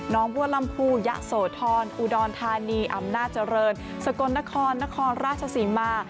บัวลำพูยะโสธรอุดรธานีอำนาจเจริญสกลนครนครราชศรีมา